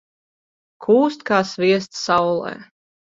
Kūst kā sviests saulē.